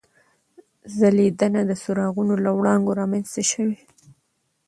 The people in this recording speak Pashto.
ځلېدنه د څراغونو له وړانګو رامنځته شوې.